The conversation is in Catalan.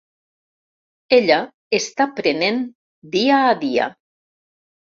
Ella està prenent dia a dia.